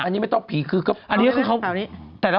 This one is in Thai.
อันนี้ไม่ต้องผีคืออันนี้ก็คือเขา